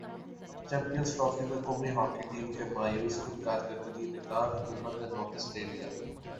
champions trophy میں قومی hockey team کی مایوس کن کارکردگی نگران حکومت نے نوٹس لے لیا